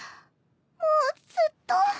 もうずっと。